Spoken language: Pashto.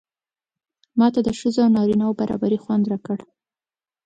ماته د ښځو او نارینه و برابري خوند راکړ.